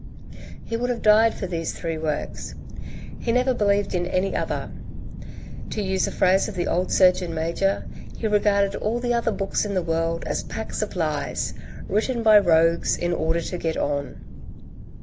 He would have died for these three works. He never believed in any rther. To use a phrase of the old Surgeon Major, he regarded all the other books in the world as packs of lies, written by rogues in order to get on.